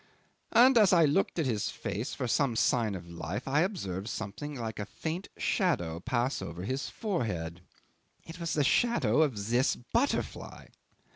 And as I looked at his face for some sign of life I observed something like a faint shadow pass over his forehead. It was the shadow of this butterfly.